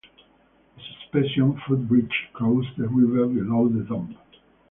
A suspension footbridge crosses the river below the dam.